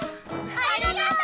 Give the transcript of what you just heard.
ありがとう！